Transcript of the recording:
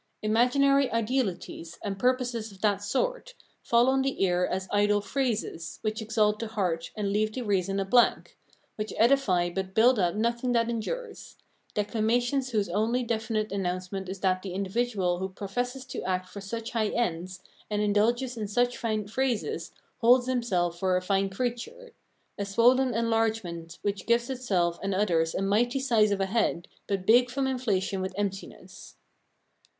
Imaginaryidealities and purposes of that sort faU on the ear as idle phrases, which exalt the heart and leave the reason a blank, which edify but build up nothing that endures : declamations whose only definite announcement is that the individual who professes to act for such high ends and indulges in such fijie phrases holds himself for a fine creature : a swollen enlargement which gives itself and others a mighty size of a head, but big from inflation with empti ness.